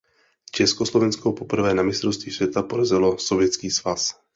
Československo poprvé na mistrovství světa porazilo Sovětský svaz.